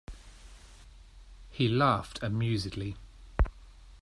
He laughed amusedly.